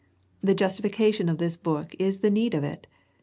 The justification of this book is the need of it.